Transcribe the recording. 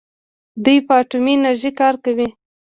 دوی په اټومي انرژۍ کار کوي.